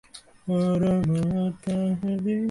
কাহারও ইন্দ্রিয়-চেতনার মধ্যে ঈশ্বর নাই।